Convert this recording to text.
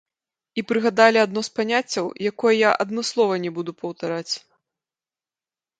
І прыгадалі адно з паняццяў, якое я адмыслова не буду паўтараць.